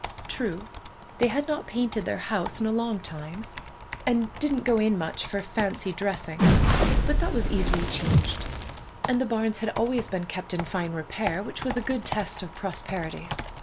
True, they had not painted their house in a long time, and didn't go in much for fancy dressing, but that was easily changed; and the barns had always been kept in fine repair, which was a good test of prosperity.